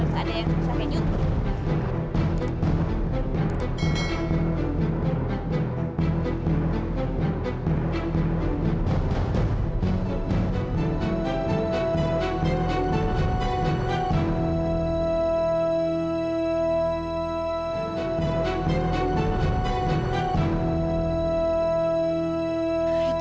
terus ada yang susah keju